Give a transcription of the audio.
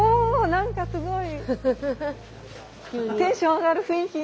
何かすごい！